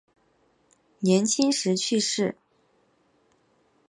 年轻时去世。